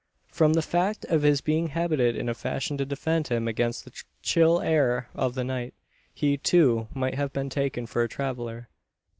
From the fact of his being habited in a fashion to defend him against the chill air of the night, he too might have been taken for a traveller.